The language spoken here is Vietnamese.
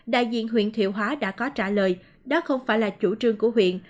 đại diện huyện thiệu hóa đã có trả lời đó không phải là chủ trương của huyện